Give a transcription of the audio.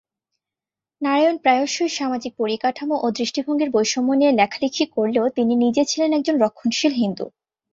নারায়ণ প্রায়শই সামাজিক পরিকাঠামো ও দৃষ্টিভঙ্গির বৈষম্য নিয়ে লেখালিখি করলেও তিনি নিজে ছিলেন একজন রক্ষণশীল হিন্দু।